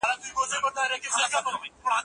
ایا ته د لارښود په توګه کار کوي؟